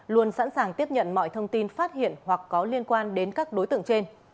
luôn sẵn sàng tiếp nhận mọi thông tin phát hiện hoặc có liên quan đến công an